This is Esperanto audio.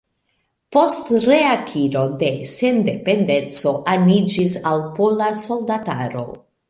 Post reakiro de sendependeco aniĝis al Pola Soldataro.